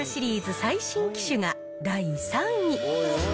最新機種が第３位。